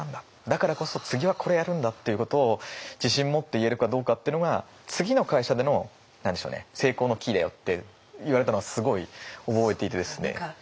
だからこそ次はこれやるんだっていうことを自信持って言えるかどうかっていうのが次の会社での成功のキーだよって言われたのはすごい覚えていてですね。